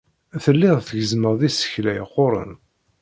Tellid tgezzmed isekla yeqquren.